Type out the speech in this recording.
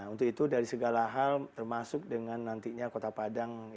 untuk itu dari segala hal termasuk dengan nantinya kota padang